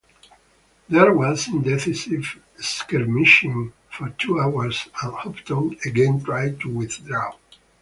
There was indecisive skirmishing for two hours, and Hopton again tried to withdraw.